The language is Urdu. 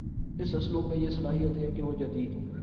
اس اسلوب میں یہ صلاحیت ہے کہ وہ جدید